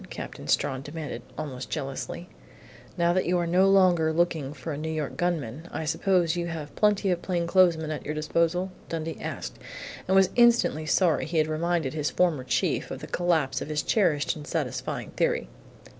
Captain Strawn demanded, almost jealously. "Now that you are no longer looking for a New York gunman, I suppose you have plenty of plainclothesmen at your disposal?" Dundee asked, and was instantly sorry he had reminded his former chief of the collapse of his cherished and satisfying theory.